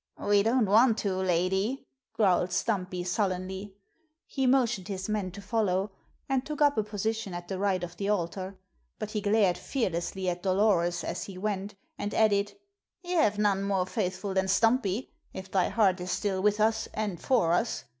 "We don't want to, lady," growled Stumpy, sullenly. He motioned his men to follow, and took up a position at the right of the altar. But he glared fearlessly at Dolores as he went, and added: "Ye have none more faithful than Stumpy, if thy heart is still with us and for us.